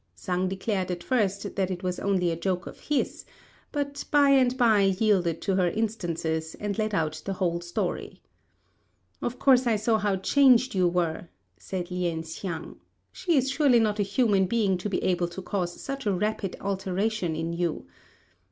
Sang declared at first that it was only a joke of his, but by and by yielded to her instances, and let out the whole story. "Of course I saw how changed you were," said Lien hsiang; "she is surely not a human being to be able to cause such a rapid alteration in you.